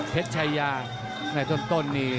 เผ็ศชายาในช่วงต้นนี่